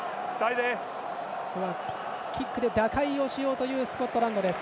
キックで打開しようというスコットランド。